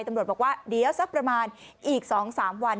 ตำรวจบอกว่าเดี๋ยวสักประมาณอีก๒๓วัน